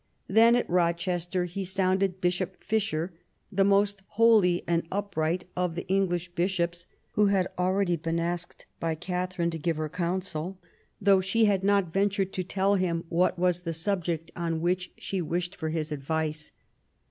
Then at Eochester he sounded Bishop Fisher, the most holy and upright of the English bishops, who had already been asked by Katharine to give her counsel, though she had not ventured to tell him what was the subject on which she wished for his advice.